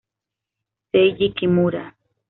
Seiji Kimura